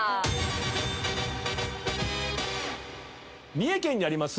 三重県にあります